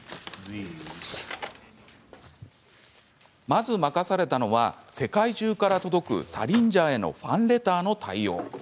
まず任されたのは世界中から届くサリンジャーへのファンレターの対応。